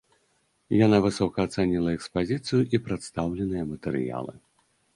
Яна высока ацаніла экспазіцыю і прадстаўленыя матэрыялы.